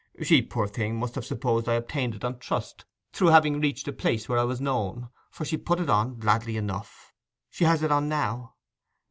She, poor thing, must have supposed I obtained it on trust, through having reached a place where I was known, for she put it on gladly enough. She has it on now.